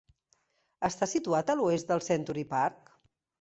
Està situat a l'oest del Century Park.